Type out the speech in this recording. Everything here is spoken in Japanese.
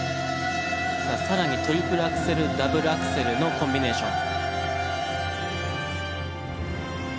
更にトリプルアクセルダブルアクセルのコンビネーション。